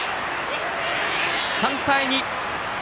３対２。